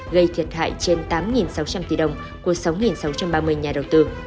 gây thiệt hại trên tám sáu trăm linh tỷ đồng của sáu sáu trăm ba mươi nhà đầu tư